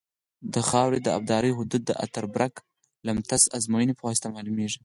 د خاورې د ابدارۍ حدود د اتربرګ لمتس ازموینې په واسطه معلومیږي